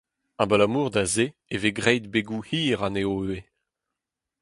Abalamour da se e vez graet “begoù hir” anezho ivez !